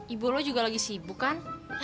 ibu lo juga lagi sibuk kan